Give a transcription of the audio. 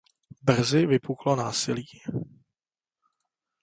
Brzy vypuklo násilí.